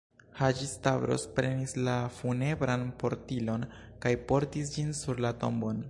Haĝi-Stavros prenis la funebran portilon kaj portis ĝin sur la tombon.